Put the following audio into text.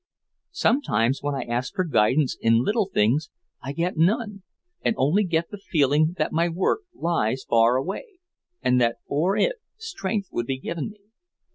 Sometimes when I ask for guidance in little things, I get none, and only get the feeling that my work lies far away, and that for it, strength would be given me.